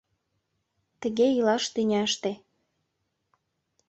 Тыге илаш тӱняште